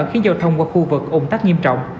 khiến giao thông qua khu vực ủng tắc nghiêm trọng